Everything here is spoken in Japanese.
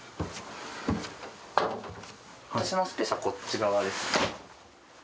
私のスペースはこっち側ですね。